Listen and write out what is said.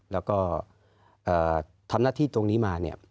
แล้วก็ทำหน้าที่ตรงนี้มาเนี่ย